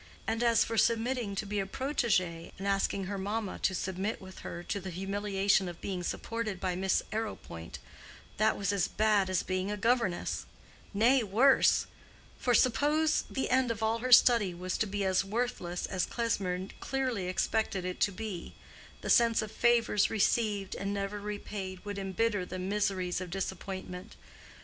And as for submitting to be a protégée, and asking her mamma to submit with her to the humiliation of being supported by Miss Arrowpoint—that was as bad as being a governess; nay, worse; for suppose the end of all her study to be as worthless as Klesmer clearly expected it to be, the sense of favors received and never repaid, would embitter the miseries of disappointment.